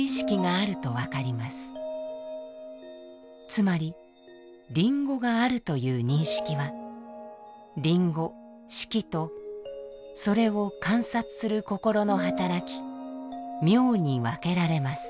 つまりリンゴがあるという認識はリンゴ色とそれを観察する心の働き名に分けられます。